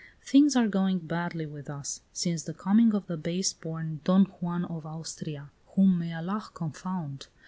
"Things are going badly with us. Since the coming of the base born Don Juan of Austria (whom may Allah confound!)